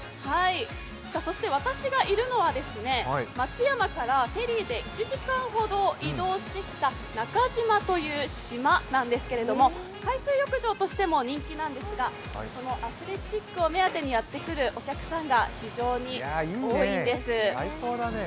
そして私がいるのは、松山からフェリーで１時間ほど移動してきた中島という島なんですけれども海水浴場としても人気なんですが、このアスレチックを目当てにやってくるお客さんが非常に多いんです。